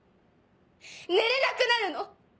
寝れなくなるの。